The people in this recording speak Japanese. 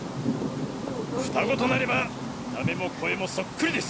双子となれば見た目も声もそっくりです。